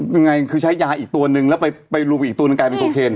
ยังไงคือใช้ยาอีกตัวนึงแล้วไปรวมอีกตัวหนึ่งกลายเป็นโคเคน